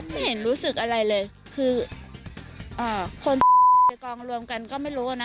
ไม่เห็นรู้สึกอะไรเลยคือคนไปกองรวมกันก็ไม่รู้นะ